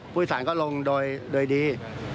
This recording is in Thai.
พฤทธิษฐานก็ลงโดยดี